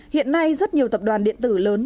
hiện nay rất nhiều tập đoàn điện tử lớn